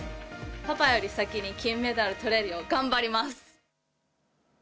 パパより先に金メダルとれるよう頑張ります。